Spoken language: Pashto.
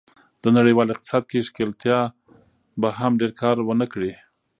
د نړیوال اقتصاد کې ښکېلتیا به هم ډېر کار و نه کړي.